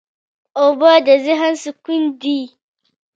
اوبه د ذهن سکون دي.